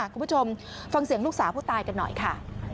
คุณผู้ชมฟังเสียงลูกสาวผู้ตายกันหน่อยค่ะ